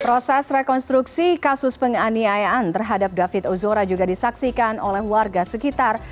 proses rekonstruksi kasus penganiayaan terhadap david ozora juga disaksikan oleh warga sekitar